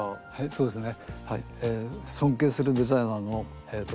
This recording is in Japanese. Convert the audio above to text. そうですね